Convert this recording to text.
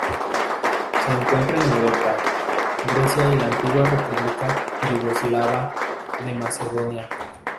Se encuentra en Europa: Grecia y la Antigua República Yugoslava de Macedonia.